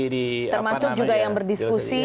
termasuk juga yang berdiskusi